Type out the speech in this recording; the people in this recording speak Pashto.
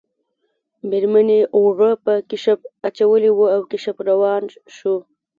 میرمنې اوړه په کشپ اچولي وو او کشپ روان شو